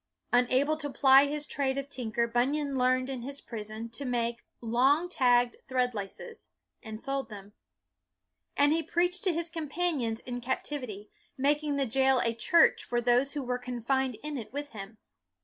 Unable to ply his trade of tinker, Bun yan learned in his prison to make " long tagged thread laces," and sold them. And he preached to his companions in captivity , making the jail a church for those who were confined in it with him.